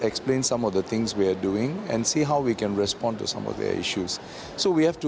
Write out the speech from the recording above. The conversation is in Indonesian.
menjelaskan beberapa hal yang kami lakukan dan melihat bagaimana kita bisa menjawab beberapa masalah mereka